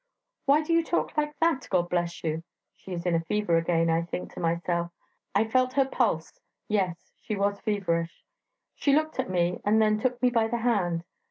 'Why do you talk like that? God bless you!' She is in a fever again, I think to myself; I felt her pulse; yes, she was feverish. She looked at me, and then took me by the hand.